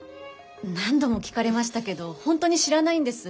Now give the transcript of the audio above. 何度も聞かれましたけど本当に知らないんです。